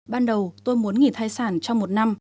ban đầu tôi muốn nghỉ thai sản trong một năm